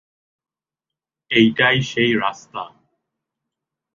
এইটাই সেই রাস্তা!